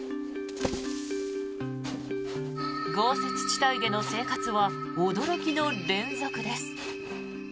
豪雪地帯での生活は驚きの連続です。